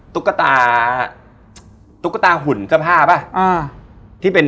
ตุ๊กตาตุ๊กตาหุ่นสภาพป่ะ